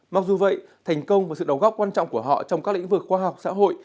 mặc dù vậy thành công và sự đóng góp quan trọng của họ trong các lĩnh vực khoa học xã hội